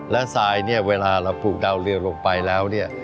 และทรายเนี่ยเวลาเราปลูกดาวเรืองลงไปแล้วเนี่ย